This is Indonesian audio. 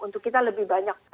untuk kita lebih banyak